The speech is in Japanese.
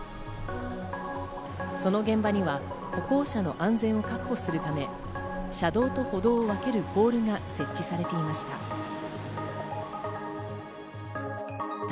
その現場には歩行者の安全を確保するため、車道と歩道を分けるポールが設置されていました。